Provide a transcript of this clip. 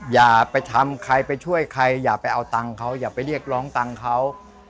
อย่าไปทำใครไปช่วยใครอย่าไปเอาตังค์เขาอย่าไปเรียกร้องตังค์เขา